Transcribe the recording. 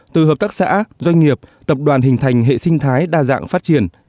từ hợp tác xã doanh nghiệp tập đoàn hình thành hệ sinh thái đa dạng phát triển